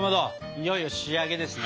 いよいよ仕上げですね。